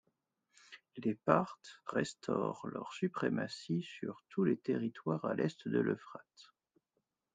Les Parthes restaurent leur suprématie sur tous les territoires à l'est de l'Euphrate.